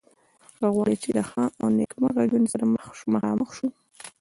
که غواړو چې د ښه او نیکمرغه ژوند سره مخامخ شو.